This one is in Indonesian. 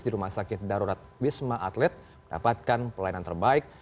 di rumah sakit darurat wisma atlet mendapatkan pelayanan terbaik